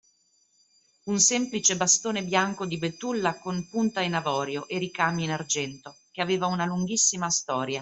Un semplice bastone bianco di betulla con punta in avorio e ricami in argento, che aveva una lunghissima storia.